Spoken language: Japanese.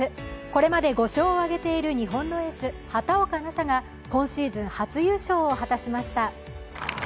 これまで５勝を挙げている日本のエース・畑岡奈紗が今シーズン初優勝を果たしました。